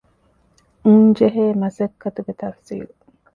ންޖެހޭ މަސައްކަތުގެ ތަފްޞީލް